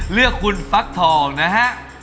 เลือกคุณฟักทองนะฮะ